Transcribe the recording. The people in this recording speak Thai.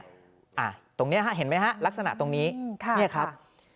ตรงนี้ฮะเห็นไหมฮะลักษณะตรงนี้เนี่ยครับ